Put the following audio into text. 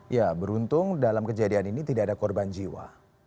ya beruntung dalam kejadian ini tidak ada korban jiwa